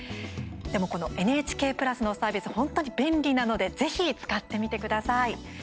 でも、このＮＨＫプラスのサービス、本当に便利なのでぜひ使ってみてください。